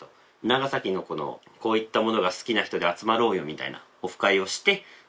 長崎のこういったものが好きな人で集まろうよみたいなオフ会をして。